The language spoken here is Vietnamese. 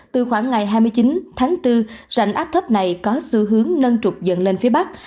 từ khoảng ngày hai mươi chín tháng bốn rãnh áp thấp này có xu hướng nâng trục dần lên phía bắc